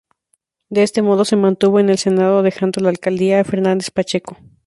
De este modo, se mantuvo en el Senado, dejando la alcaldía a Fernández-Pacheco.